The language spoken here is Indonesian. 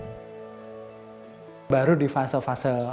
masyarakat terdampak covid sembilan belas tak luput dari jangkauan sekolah relawan